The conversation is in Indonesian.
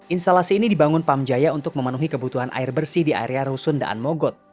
instalasi ini dibangun pamjaya untuk memenuhi kebutuhan air bersih di area rusun daan mogot